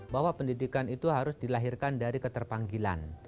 bahwa pendidikan itu harus dilahirkan dari keterpanggilan